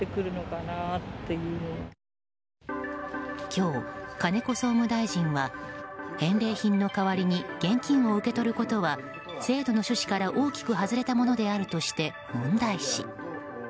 今日、金子総務大臣は返礼品の代わりに現金を受け取ることは制度の趣旨から大きく外れたものであるとして問題視。